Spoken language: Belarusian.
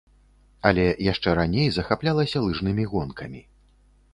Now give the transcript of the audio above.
Але яшчэ раней захаплялася лыжнымі гонкамі.